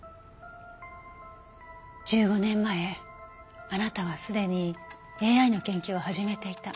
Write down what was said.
１５年前あなたはすでにＡＩの研究を始めていた。